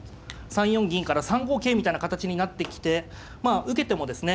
３四銀から３五桂みたいな形になってきてまあ受けてもですね